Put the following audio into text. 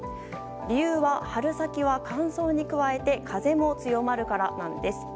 理由は、春先は乾燥に加えて風も強まるからです。